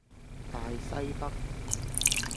大西北